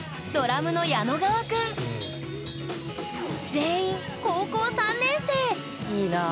全員高校３年生いいなあ。